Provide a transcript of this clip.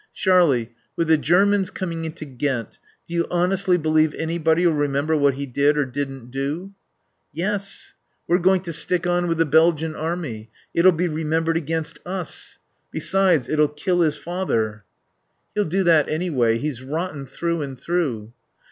"Sharlie with the Germans coming into Ghent do you honestly believe anybody'll remember what he did or didn't do?" "Yes. We're going to stick on with the Belgian Army. It'll be remembered against us. Besides, it'll kill his father." "He'll do that any way. He's rotten through and through."